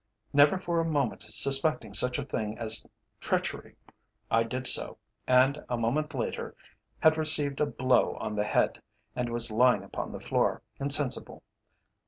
Never for a moment suspecting such a thing as treachery, I did so, and, a moment later, had received a blow on the head, and was lying upon the floor, insensible.